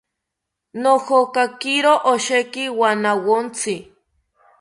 Nojokakiro osheki wanawontzi